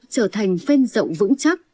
trở thành phên rộng vững chắc